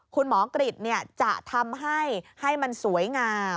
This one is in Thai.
คุณหมอกริจจะทำให้ให้มันสวยงาม